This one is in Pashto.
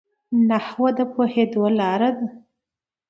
نحوه د پوهېدو لار ده.